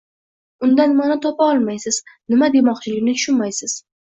Undan ma’no topa olmaysiz, nima demoqchiligini tushunmaysiz.